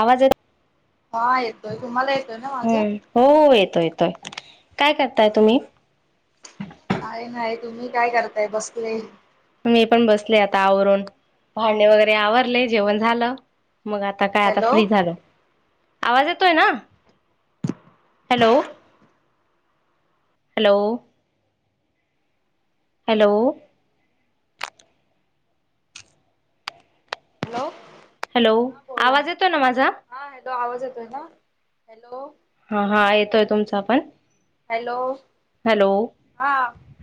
आवाज ये हा येतोय तुम्हाला ए हम्म. हो येतोय, येतोय काय करताय तुम्ही? काय नाही तुम्ही काय करताय बसले मी पण बसले आता आवरून भांडे वगैरे आवरले जेवण झालं मग आता काय आता हॅलो फ्री झाल आवाज येतोय ना hello, hello hello hello hello हा बोला आवाज येतो ना माझा हा हॅलो आवाज येतोय ना हॅलो हा, हा येतोय तुमचा पण हॅलो हॅलो हा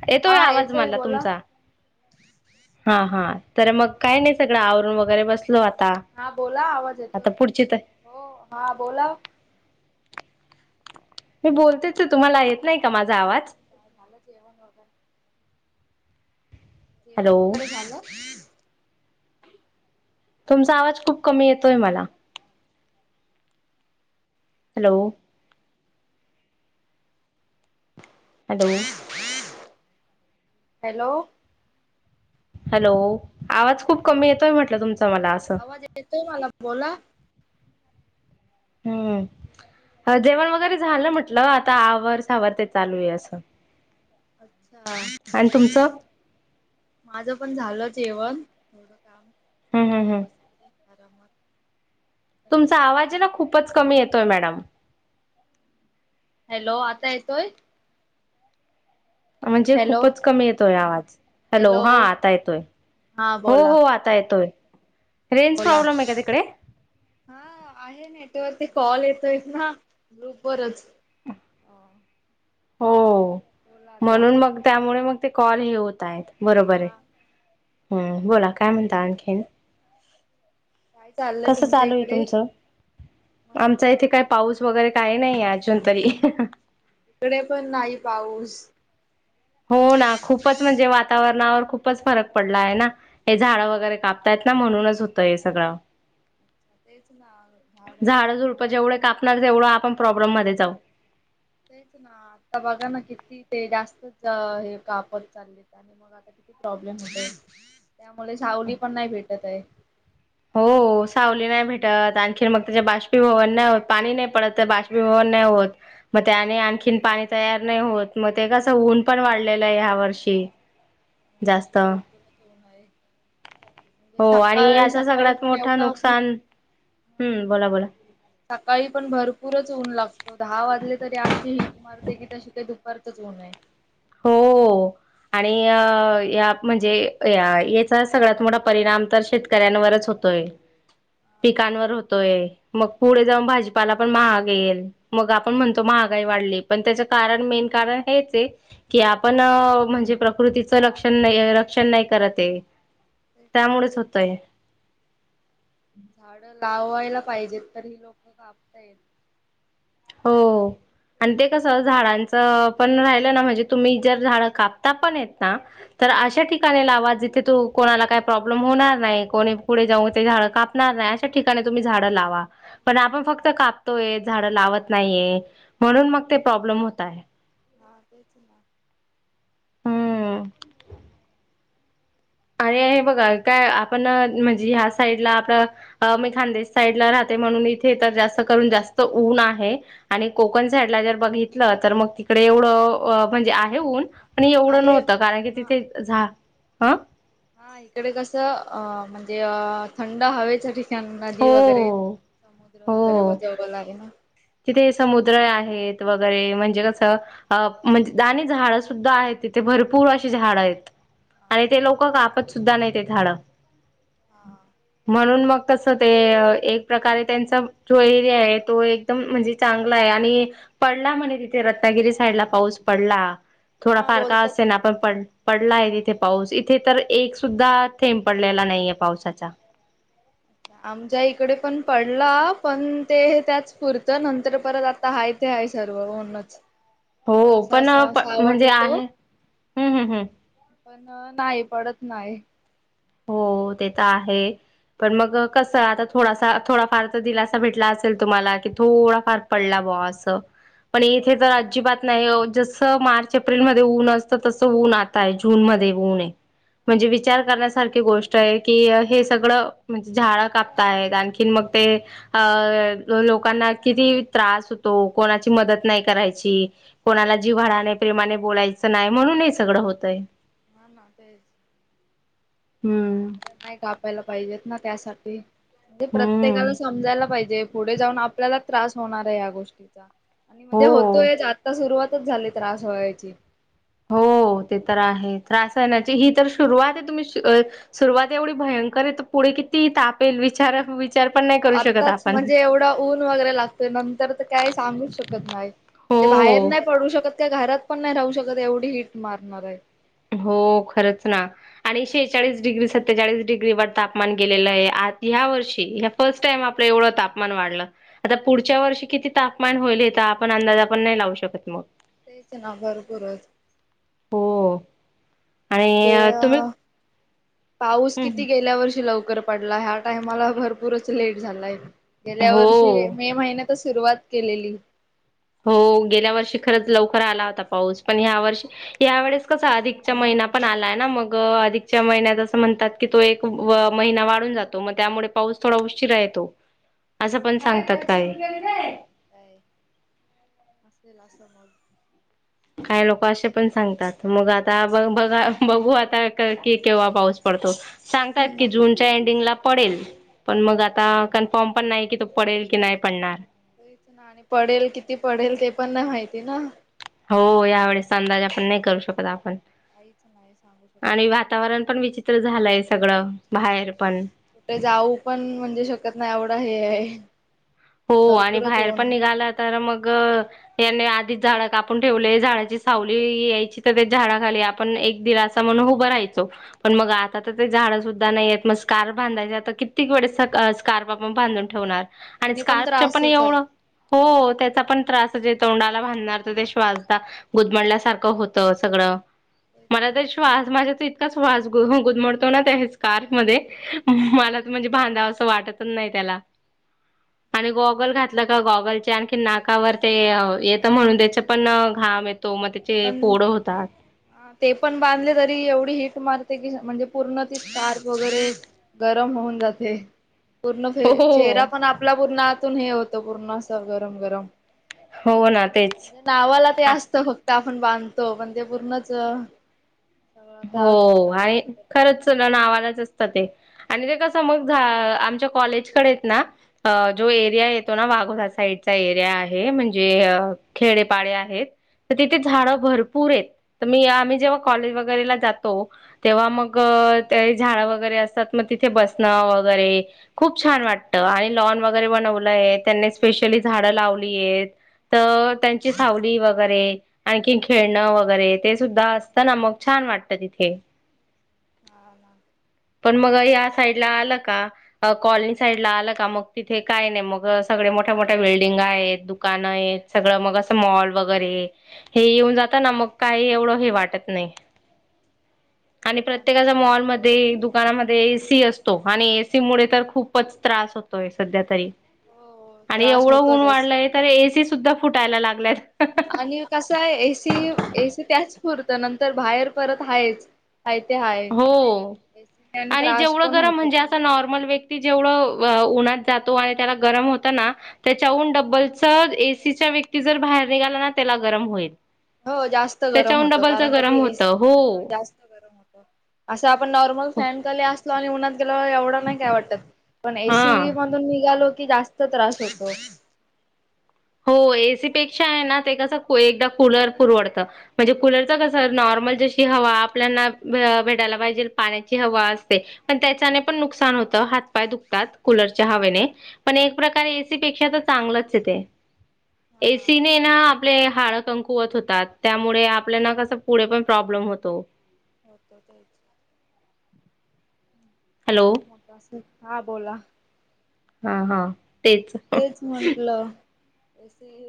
येतोय हा आवाज मला बोला तुमचा हा, हा तर मग काय नाही सगळं आवरून वगैरे बसलो आता हा बोला आवाज आता येतोय पुढची तर हो हा बोला मी बोलतेच आहे तुम्हाला येत नाही का माझा आवाज? झालं जेवण वगैरे हॅलो जेवण वगैरे झालं? तुमचा आवाज खूप कमी येतोय मला. हॅलो हॅलो हॅलो हॅलो आवाज खूप कमी येतोय म्हटलं तुमचं मला असं आवाज येतोय मला बोला हम्म जेवण वगैरे झालं म्हटलं आता आवर सावर ते चालू आहे असं अच्छा आणि तुमचं माझ पण झालं जेवण थोडं काम हम् हम् आहे हम् बस आरामात तुमचा कुठे जा आवाज आहे ना खूपच कमी येतोय मॅडम हॅलो आता येतोय. म्हणजे हॅलो खूपच कमी येतोय आवाज हॅलो हा आता येतोय हा हो बोला हो आता येतोय रेंज बोला प्रॉब्लेम आहे का तिकडे हा आहे नेटवर ते कॉल येतोय ना ग्रुप वरच हो बोला आता म्हणून मग त्यामुळे मग ते कॉल हे होत आहेत बरोबर आहे हा हम् बोला काय म्हणता आणखीन? काय चाललंय कस तुमच्या चालू आहे इकडे तुमचं? मस्त आमच्या इथे काय पाऊस वगैरे काही नाही अजून तरी इकडे पण नाही पाऊस हो ना खूपच म्हणजे वातावरणावर खूपच फरक पडला आहे ना हे झाडं हा वगैरे कापतायत ना म्हणूनच होतंय हे सगळं अच्छा तेच ना झाड झाडं ना झुडपं जेवढे आपल्याला काय कापणार तेवढं आपण प्रॉब्लेम मध्ये जाऊ तेच ना आता बघा ना किती ते जास्तच हे कापत चाललेत आणि मग आता किती प्रॉब्लेम होतायत त्यामुळे सावली पण नाही भेटत आहे हो सावली नाही भेटत आणखी मग त्याचे बाषपिभवन नाही होत पाणी नाही पडत बाषपीभवन नाही होत मग त्याने आणखीन पाणी तयार नाही होत मग ते कसं ऊन पण वाढलेलं आहे ह्या वर्षी [inaudible] या भरपूरच ऊन आहे म्हणजे हो आणि सकाळी याचा सकाळी सगळ्यात पण मोठं एवढा नुकसान हम्म बोला बोला सकाळी पण भरपूरच ऊन लागतं दहा वाजले तरी अशी हि ट वाढते कि जशी काही दुपारचंच ऊन आहे हो आणि यात म्हणजे याचा सगळ्यात मोठा परिणाम तर शेत कऱ्यांवरच होतोय हा तेच पिकांवर ना होतोय मग पुढे जाऊन भाजीपाला पण महाग येईल मग आपण म्हणतो महागाई वाढली पण त्याच कारण मेन कारण हेच आहे कि आपण म्हणजे प्रकृतीच रक्षण नाही रक्षण नाही करत हे तेच ना. त्यामुळेच होतय. झाड लावायला पाहिजेत तर ही लोक कापतायेत. हो. आणि ते कसं झाडांचं पण राहिलं ना. म्हणजे तुम्ही जर झाड कापता पण येत ना. तर अशा ठिकाणी लावा जिथे तू कोणाला काही प्रॉब्लेम होणार नाही. कोणी पुढे जाऊन ते झाडं कापनार नाही. कापणार नाही अशा ठिकाणी तुम्ही झाडं लावा. पण हा आपण फक्त कापतोय झाड लावत नाहीये म्हणून मग ते प्रॉब्लेम होत आहे. हा तेच ना. हम्म. आणि हे बघा काय आपण म्हणजे ह्या साइडला आपलं अ मी खानदेश साईडला राहते म्हणून इथे तर जास्त करून जास्त ऊन आहे. आणि कोकण साईडला जर बघितलं तर मग तिकडे एवढं म्हणजे आहे ऊन पण एवढं आहे नव्हतं कारण की हा. तिथे झा ह हा इकडे कसं अ म्हणजे थंड हवेसाठी हो नदी वगैरे समुद्र हो वगैरे बजाव लागे ना. तिथे समुद्र आहेत वगैरे म्हणजे कसं. अ म्हणजे आणि आणि झाडं सुद्धा आहेत तिथे भरपूर अशी झाडं आहेत. आणि हा ते लोक कापत सुुद्धा नाही ते झाड हा म्हणून मग कस ते एक प्रकारे त्यांच जो एरिया आहे तो एकदम म्हणजे चांगला आहे आणि पडला म्हणे तिथे रत्नागिरी साईडला पाऊस पडला थोडा हा फार का बोलतात असे ना पाऊस तिकडे. पडला. पडला आहे तिथे पाऊस हा इथे तर एक सुद्धा थेंब पडलेला नाहीये पावसाचा आमच्या इकडे पण पडला पण ते त्याच पुरतं नंतर परत आ ता आहेय ते आहेय सर्वन नच हो पण म्हणजे येतो आहे हम् हम्म हम्म. पण नाही पडत नाही. हो ते तर आहे. पण मग कसं आता थोडासा थोडाफार तर दिलासा भेटला असेल तुम्हाला की थोडाफार ड ब पण इथे तर हा अजिबात नाही. मार्च एप्रिल म ऊन असत तस ऊन आता जून म ऊन आहे म्हणजे विचार करण्या सारखी गोष्ट आहे की हे सगळं म्हणजे झाडं कापता आहेत आणखीन मग ते अं लोकांना किती त्रास होतो कोणाची मदत नाही करायची. कोणाला जीव्हाडने प्रेमाने बोलायचं नाही म्हणून हे सगळं होतय. म ना तेच. हम्म. झाड नाही कापायला पाहिजेत ना त्यासाठी म्हणजे हम्म प्रत्येकाला समजायला पाहिजे. पुढे जाऊन आपल्याला त्रास होणार आहे या गोष्टीचा आणि म्हणजे हो. होतोय आता सुरुवात झाली त्रास व्हायची. हो ते तर आहे त्रासण्याची ही तर सुरुवात आहे तुम्ही सुरुवात एवढी भयंकर आहे. पुढे किती तापेल विचार विचार पण नाही करू शकत आत्ताच आपण म्हणजे एवढा ऊन वगैरे लागतोय नंतर तर काय सांगूच शकत नाही. म्हणजे बाहेर नाही पडू शकत का घरात पण नाही राहू शकत एवढी हिट मारणार आहे. हो खरंच ना. आणि शेहेचाळीस डिग्री सत्तेचाळीस डिग्री व तापमान गेलेलं आहे आ ह्या वर्षी फर्स्ट टाईम आपलं एवढं तापमान वाढलं. आता पुढच्या वर्षी किती तापमान होईल. हे तर, आपण अंदाज आपण नाही लावू शकत मग. तेच ना, भरपूरच. हो. ते आणि अ तुम्ही पाऊस किती गेल्या वर्षी लवकर पडला. ह्या टायमाला भरपूरच लेट झालाय. गेल्या वर्षी हो मे महिन्यात सुरुवात केलेली. हो. गेल्या वर्षी खरंच लवकर आला होता पाऊस. पण ह्या वर्षी या वेळेस कस अधिकच्या महिना पण आलाय ना. मग अधिकच्या महिन्यात असं म्हणतात की तो एक अ महिना वाढून जातो. मग त्यामुळे पाऊस थोडा उशीरा येतो. असं पण सांगतात काही. [unintelligible] असेल, असं मग. काय लोक असे पण सांगतात. मग आता बघा बघू आता क की, केव्हा पाऊस पडतो. तेच सांगतात ना. जून च्या एंडिंगला पडेल. पण मग आता, कन्फर्म पण नाही की, तो पडेल की नाही पडणार. तेच ना आणि पडेल किती पडेल? ते पण नाही माहिती ना. हो, यावेेळेसचा अंदाजा पण नाही करू शकत आपण. काहीच नाही सांगू शकत. आणि वातावरण पण विचित्र झालंय सगळं. बाहेर पण. कुठे जाऊ पण म्हणजे शकत नाही. आवडा हे आहे. हो आणि भरपूरच बाहेर पण ऊन निघाला, तर मग याने आधीच झाड कापून ठेवले. झाडाची सावली यायची, तर ते झाडाखाली आपण एक दिलासा म्हनूण उभं राहायचो पण मग आता तर ते झाडं सुद्धा नाहीयत. मग स्कार्फ बांधायचे, ता कित्य गोडसक स्कार्फ आपण बांधून ठेवणार. आणि त्यांनी स्कार्फच पण त्रासच आहे एवढं हा हो त्याचा पण त्रासचय. तोंडाला भांधणार तर ते श्वास दा गुदमडल्यासारखं होत, सगळं. तेच मला ना तर श्वास माझ्या तर इथ च श्वास गुदमडतो ना, त्या हेच स्कार्फ मध्ये. मला त म्हणजे भांधाव असं, वाटतच नाही त्याला. आणि गॉगल घातलं का, गॉगलचे आणखी नाकावर ते अ येतं म्हणून, त्याच पण घाम येत तो मग त्याचे पण पोडं होतात. ते पण बांधले तरी, एवढी हिट मारते की, म्हणजे पूर्ण ती स्कार्फ वगैरे गरम होऊन जाते. पूर्ण फे हो हो. चेहरा पण आपला पूर्ण आतून हे होत. पूर्ण असं, गरम-गरम. हो, ना. तेच. नावाला ते असत. फक्त आपण बांधतो. पण ते पूर्णच त्या हो, आहे. त्रासच होतो खरंच. नावालाच असत ते. आणि ते कस मग झा आमच्या कॉलेज कडेयत ना अ जो एरिया येत तो ना, वाघोला साईडचा एरिया आहे. म्हणजे अ खेडेपाडे आहेत. तर तिथे झाडं भरपूरयत. तर मी, आम्ही जेव्हा कॉलेज वगैरेला जातो तेव्हा मग, ते झाडं वगैरे असतात. मग तिथे बसणं वगैरे खूप छान वाटतं. आणि लॉन वगैरे बनवलंय. त्यांनी स्पेशली झाडं लावलीयेत. तर त्यांची सावली वगैरे. आणखीन खेळणं वगैरे. ते सुद्धा असतं ना. मग छान वाटतं तिथे. हा ना पण मग या साईडला आलं का? कॉलनी साईडं लां आलं कां मंग तिथे कायं नाहीं मंग सगळें मोठ्यां-मोठ्यां बिल्डिंग आहेतं दुकानं आहेतं. सगळं मंग असं मॉल वगैरें हे येऊंन जातांना मंग कांहीं एवढं हे वाटतं नाहीं. आणि हा ना प्रत्येकांला मॉलमध्यें दु दुकानांमध्ये एसी असतो आणि एसी मुळें तरं खूपचं त्रास होतोय संध्या तरी. हो आणि त्रास एवढं होतो ऊंन त्याचा वाढलंय तरं एसी सुद्धां फुटांयला लागल्यांत आणि कसं आहे एसी एसी त्यांचं पुुरतं नंतर बाहेर परंत आहेचं. हांय ते हे आहेय. हो आणि जेवढं पण गरमं होतो म्हणजे असं नॉर्मल व्यक्ती ती जेवढं उन्हांत जातो आणि त्यांला गरमं होतं नां त्यांच्यातून डब्बलच एसीच्या व्यक्ती जरं बाहेर निघांला नां त्यांला गरमं होईल. हो जास्तं गरमं त्याच्याहून होतो डबलच कारणं की गरम ते होत एसी हो जास्तं असं आपणं नॉर्मल फॅन खाली असलो आणि उन्हांत गेलो एवढं नाहीं कायं वाटतं. पणं हा एसी मधूंन निघालो की जास्तं त्रास होतो. हो एसी पेक्षा आहे नां ते कसं एकदां कूंलर पुरवडतं. म्हणजे कुंलरच कसं नॉर्मल जशी हवा आपल्यांना भेटायलां पाहिजे पाण्यांची हवा असते. पणं त्यांच्याचे पणं हा नुकसांन होतं हात पाय दुखतांत कूंलरच्या हवेने पणं एक प्रकारे एसी पेक्षा तरं चांगलंच येते एसी नं नां तुला आपले हाळं कंकुवत होतांत त्यामुळें आपल्यांला कसं पुढे पणं प्रॉब्लेम होतो. हॅलो [unintelligible] [unintelligible] हां बोलां. हां हां तेचं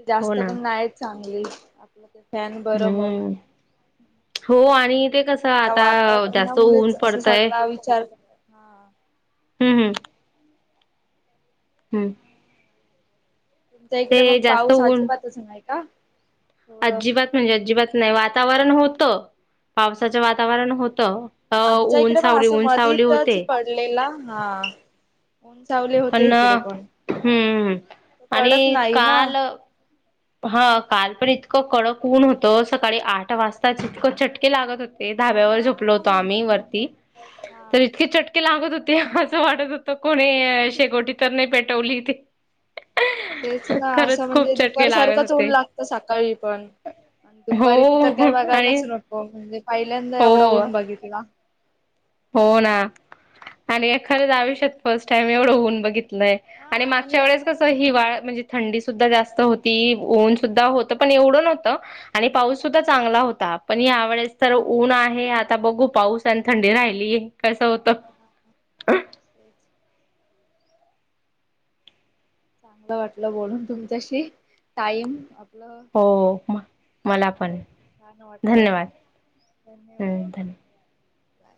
जास्तं पणं नाहीं चांगली आपलं ते फॅन बरं मंग हम्म हो आणि ते कसं आता वातांवरना मुळे चं जास्त ऊन मुलेच असं पडतय सगनां विचार हां हम्मं हम्मं हम्मं तुमच्यां इकडे मंग जास्त पाऊस आजिबातचं येतं नाहीं कां अजिबांत म्हणजे अजिबांत नाहीं वातांवरण होतं पावसाचं हा. वातांवरण होतं पाऊस तरं ऊंन सावली ऊंन सावली होते लेलां हां उंचावले होते पण ईकडे पणं हम्म पडतं नाहीं नां हां कांल पणं इतकं कडक ऊंन होतं सकाळीं आंठ वाजतांच इतकं चटके लागतं होते. ते धाब्यांवर हा. झोपलो होतो आम्हीं वरती तरं हा इतके चटके लागतं होते असं वाटतं होतं- तरं कोणी शेकोटी तरं नाहीं पेटवली ती तेचं नां असं म्हणजे दु दुपांर चटके लागत सारखंच ऊंन होते लागतं सकाळीं पणं दुपारी तरं कायं हो आणि बघायलांच नव्हतं हो म्हणजे पहिल्यांदा हो एवढं होऊंन बघितला हो नां आणि खरंच आयुष्यांत फर्स्ट टाइंम एवढं होऊंन बघितलंय आणि मागच्यां वेळेस कसं हिवाळ म्हणजे थंडी सुद्धां जास्तं होती ऊंन सुद्धां होतं पणं एवढं नव्हतं आणि पाऊस सुद्धां चांगला होतां पणं यावेेळेस तरं ऊंन आहे आंता बघूं पाऊस आणि थंडी राहिल ते कसं होतं ह ह ते [unintelligible] चांगलं वाटलं बोलूंन तुमच्यांशी टाईम आपलं हो मं मलां पणं हा छान वाटलं धन्यंवाद धन्यवाद हा धन्य बाय